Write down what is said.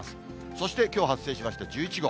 そしてきょう発生しました１１号。